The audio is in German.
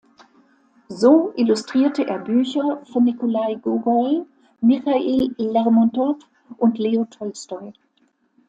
So illustrierte er Bücher von Nikolai Gogol, Michail Lermontow und Leo Tolstoi.